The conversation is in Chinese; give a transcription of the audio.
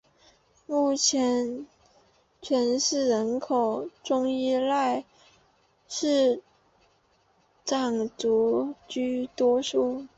目前全市人口中依然是藏族居多数。